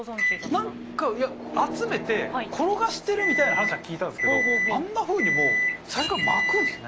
何かいや集めて転がしてるみたいな話は聞いたんすけどあんなふうにもう最初から巻くんすね。